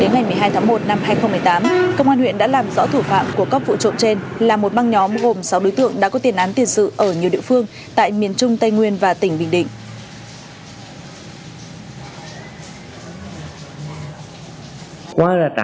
ngày một mươi hai tháng một năm hai nghìn một mươi tám công an huyện đã làm rõ thủ phạm của các vụ trộm trên là một băng nhóm gồm sáu đối tượng đã có tiền án tiền sự ở nhiều địa phương tại miền trung tây nguyên và tỉnh bình định